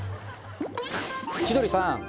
千鳥さん